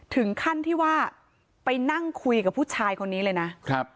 ถึงขั้นที่ว่าไปนั่งคุยกับผู้ชายคนนี้เลยนะครับ